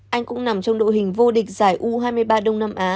anh cũng nằm trong đội hình vô địch giải u hai mươi ba đông nam á hai nghìn hai mươi hai